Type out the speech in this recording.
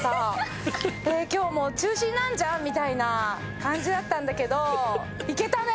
今日もう中止になるんじゃん？みたいな感じだったんだけどいけたね！